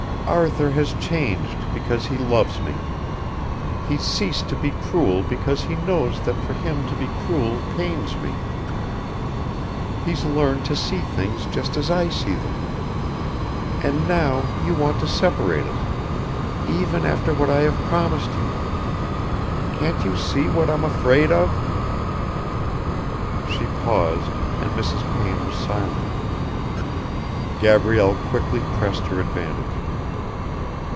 "Arthur has changed because he loves me. He's ceased to be cruel because he knows that for him to be cruel pains me. He's learned to see things just as I see them. And now you want to separate us ... even after what I have promised you. Can't you see what I'm afraid of?" She paused, and Mrs. Payne was silent. Gabrielle quickly pressed her advantage.